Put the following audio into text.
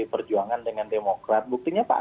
perjuangan dengan demokrat buktinya pak